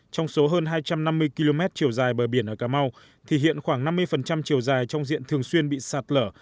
trong số hơn hai trăm năm mươi km chiều dài bờ biển ở cà mau thì hiện khoảng năm mươi chiều dài trong diện thường xuyên bị sạt lở